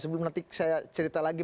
sebelum nanti saya cerita lagi